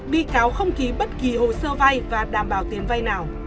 bị cáo không ký bất kỳ hồ sơ vay và đảm bảo tiền vay nào